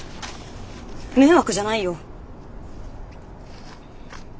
迷惑じゃないよ。